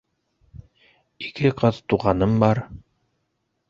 — Ике ҡыҙ туғаным бар.